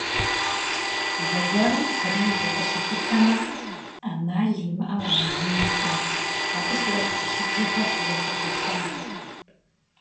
Зэгуэрым Париж укъыщыхутэмэ, Ӏэмал имыӀэу а музейм кӀуэ, абы сурэт телъыджэхэр щызэхуэхьэсащ.